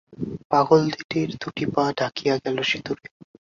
পাগলদিদির দুটি পা ঢাকিয়া গেল সিঁদুরে।